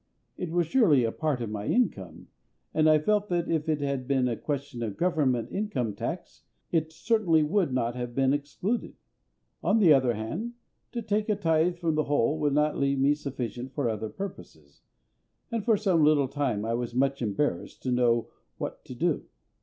It was surely a part of my income, and I felt that if it had been a question of Government income tax it certainly would not have been excluded. On the other hand, to take a tithe from the whole would not leave me sufficient for other purposes; and for some little time I was much embarrassed to know what to do.